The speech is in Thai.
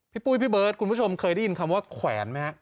ปุ้ยพี่เบิร์ดคุณผู้ชมเคยได้ยินคำว่าแขวนไหมฮะ